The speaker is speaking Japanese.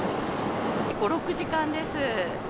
５、６時間です。